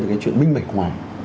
là cái chuyện minh mệnh hoài